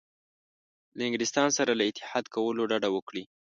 له انګلستان سره له اتحاد کولو ډډه وکړي.